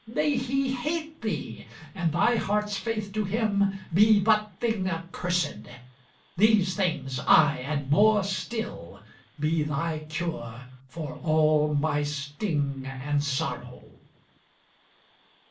May he hate thee! and thy heart's faith to him be but thing accursed! These things, aye and more still! be thy cure for all my sting and sorrow!"